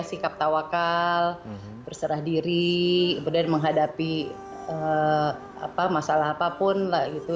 sikap tawakal berserah diri kemudian menghadapi masalah apapun lah gitu